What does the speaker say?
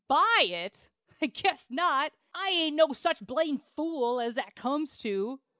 "Buy it! I guess not. I ain't no such blamed fool as that comes to.